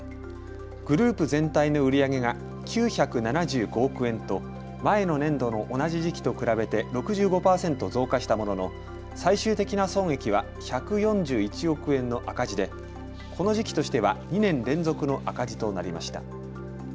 グループ全体の売り上げが９７５億円と前の年度の同じ時期と比べて６５％増加したものの最終的な損益は１４１億円の赤字でこの時期としては２年連続の赤字となりました。